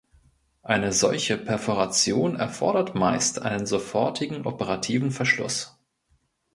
Eine solche Perforation erfordert meist einen sofortigen operativen Verschluss.